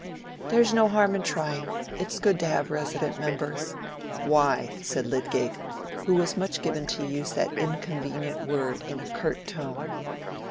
"There's no harm in trying. It's good to have resident members." "Why?" said Lydgate, who was much given to use that inconvenient word in a curt tone.